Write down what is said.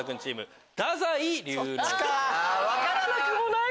分からなくもない！